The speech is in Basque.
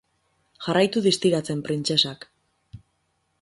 Jarraitu distiratzen, printzesak.